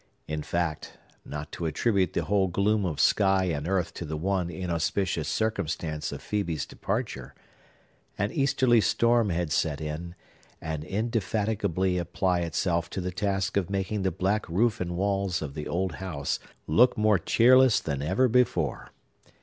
In fact (not to attribute the whole gloom of sky and earth to the one inauspicious circumstance of Phœbe's departure), an easterly storm had set in, and indefatigably apply itself to the task of making the black roof and walls of the old house look more cheerless than ever before.